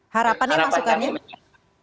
harapan yang masukannya